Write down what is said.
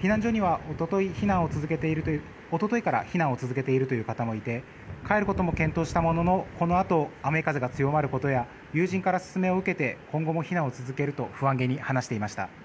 避難所には一昨日から避難を続けている方もいて帰ることを検討したもののこのあと雨風が強まることや友人から勧めを受けて今後も避難を続けると不安げに話していました。